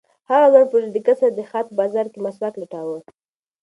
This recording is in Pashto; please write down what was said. هغه ځوان په ډېر دقت سره د ښار په بازار کې مسواک لټاوه.